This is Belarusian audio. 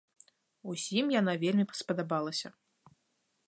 Усім яна вельмі спадабалася.